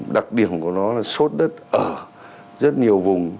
đặc điểm của nó là sốt đất ở rất nhiều vùng